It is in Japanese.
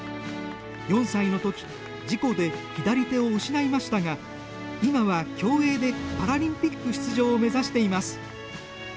４歳のとき事故で左手を失いましたが今は競泳でパラリンピック出場を目指しています。